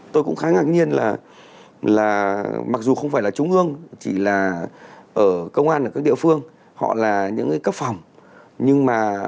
tôi cũng khá ngạc nhiên là mặc dù không phải là trung ương chỉ là ở công an ở các địa phương họ là những cái cấp phòng